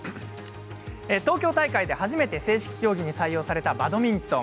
東京大会で初めて正式競技に採用されたバドミントン。